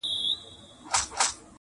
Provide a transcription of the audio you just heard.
• بس د خان مشکل به خدای کړي ور آسانه -